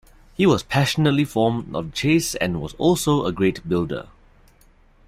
He was passionately fond of the chase and was also a great builder.